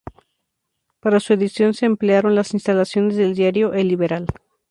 Para su edición se emplearon las instalaciones del diario "El Liberal".